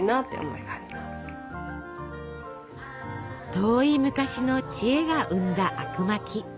遠い昔の知恵が生んだあくまき。